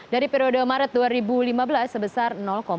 dari periode maret dua ribu lima belas sebesar empat puluh satu